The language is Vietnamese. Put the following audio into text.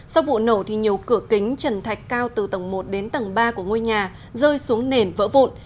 sau vụ nổ thì nhiều cửa kính trần thạch cao từ tầng một đến tầng ba của ngôi nhà rơi xuống nền vỡ vụn